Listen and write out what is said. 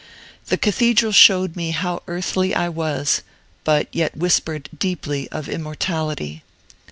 The cathedral showed me how earthly I was, but yet whispered deeply of immortality.